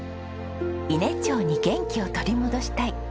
伊根町に元気を取り戻したい。